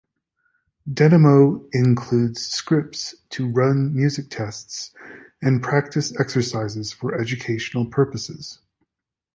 Denemo includes scripts to run music tests and practice exercises for educational purposes.